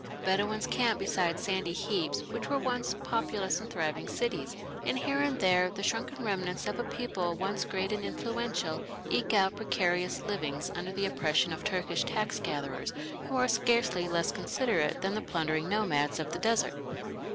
Bedouins camp beside sandy heaps which were once populous and thriving cities, and here and there the shrunken remnants of a people once great and influential eke out precarious livings under the oppression of Turkish tax gatherers who are scarcely less considerate than the plundering nomads of the desert.